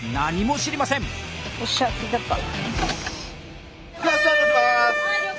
・じゃあスタートします！